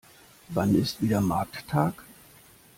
Wann ist wieder Markttag?